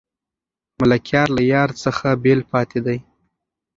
ملکیار له یار څخه بېل پاتې دی.